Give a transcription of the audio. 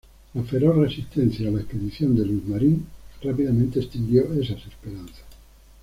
La feroz resistencia a la expedición de Luis Marín rápidamente extinguió esas esperanzas.